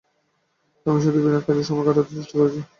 আমি শুধু বিনা কাজে সময় কাটাতে চেষ্টা করছি এবং জোর করেই বিশ্রাম নিচ্ছি।